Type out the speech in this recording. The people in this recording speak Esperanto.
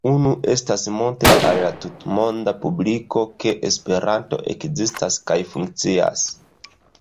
Unu estas montri al la tutmonda publiko, ke Esperanto ekzistas kaj funkcias.